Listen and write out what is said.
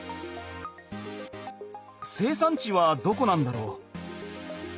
生産地はどこなんだろう。